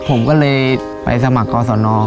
ผมก็เลยไปสมัครกรสน